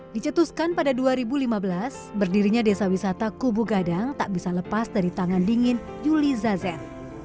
dicetuskan pada dua ribu lima belas berdirinya desa wisata kubu gadang tak bisa lepas dari tangan dingin yuli zazet